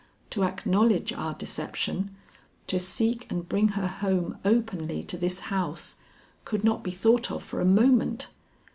To acknowledge our deception, to seek and bring her home openly to this house, could not be thought of for a moment.